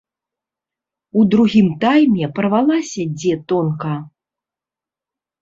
У другім тайме парвалася дзе тонка.